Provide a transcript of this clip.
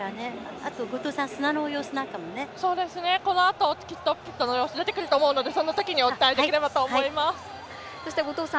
あと、後藤さんこのあと、きっとピットの様子が出てくると思うのでそのときにお伝えできればと思います。